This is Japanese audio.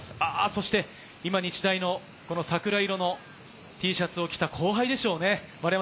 そして今、日大の桜色のＴシャツを着た後輩でしょうかね？